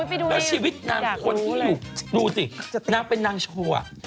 แล้วชีวิตนางคนที่อยู่ดูสินางเป็นนางชัวร์